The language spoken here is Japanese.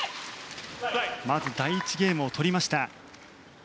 まず第１ゲームを取りました。